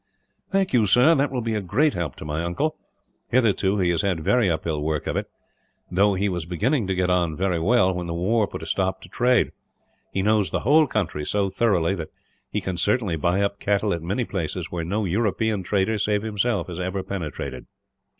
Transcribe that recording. "Thank you, sir; that will be a great help to my uncle. Hitherto he has had very uphill work of it; though he was beginning to get on very well, when the war put a stop to trade. He knows the whole country so thoroughly that he can certainly buy up cattle at many places where no European trader, save himself, has ever penetrated."